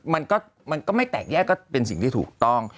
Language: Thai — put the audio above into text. มันก็ไม่แตกแยกก็เป็นสิ่งที่ถูกต้อง